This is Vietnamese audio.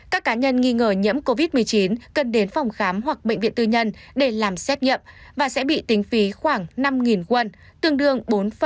các cá nhân nghi ngờ nhiễm covid một mươi chín cần đến phòng khám hoặc bệnh viện tư nhân để làm xét nghiệm và sẽ bị tính phí khoảng năm won tương đương bốn